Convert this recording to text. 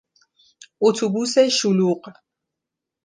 اتوبوس شلوغ